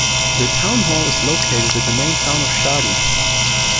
The townhall is located in the main town of Schagen.